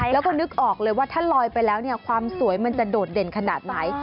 แล้วก็นึกออกเลยว่าถ้าลอยไปแล้วเนี่ยความสวยมันจะโดดเด่นขนาดไหน